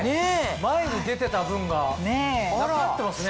前に出てた分がなくなってますね。